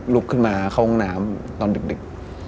ลุกขึ้นมาเข้าห้องน้ำตอนดึก